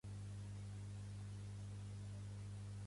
Un wiki del hawaià wikiwiki, ràpid